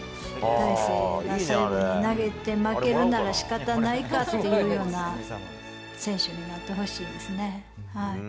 大勢が投げて負けるならしかたないかというような選手になってほしいですね。